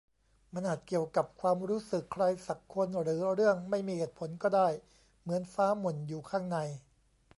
มันอาจเกี่ยวกับความรู้สึก ใครสักคน หรือเรื่องไม่มีเหตุผลก็ได้ เหมือนฟ้าหม่นอยู่ข้างใน